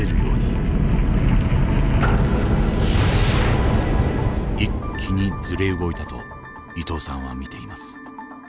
一気にずれ動いたと伊藤さんは見ています。